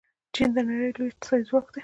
چین د نړۍ لوی اقتصادي ځواک دی.